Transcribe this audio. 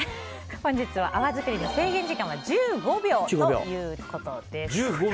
本日は泡作りの制限時間は１５秒ということです。